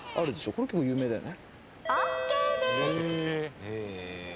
これ結構有名だよね。